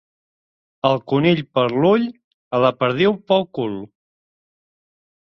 Al conill, per l'ull; a la perdiu, pel cul.